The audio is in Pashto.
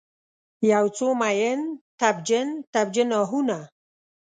یوڅو میین، تبجن، تبجن آهونه